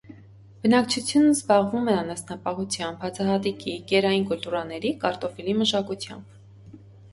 Բնակչությունն զբաղվում է անասնապահությամբ, հացահատիկի, կերային կուլտուրաների, կարտոֆիլի մշակությամբ։